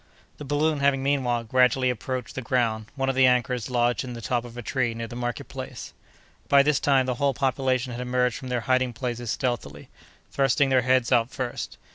The balloon having, meanwhile, gradually approached the ground, one of the anchors lodged in the top of a tree near the market place. By this time the whole population had emerged from their hiding places stealthily, thrusting their heads out first.